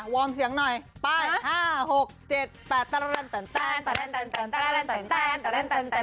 วอร์มเสียงหน่อยไปห้าหกเจ็ดแปด